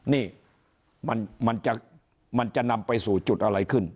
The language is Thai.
นี่มันจะนำไปสู่จุดอะไรขึ้น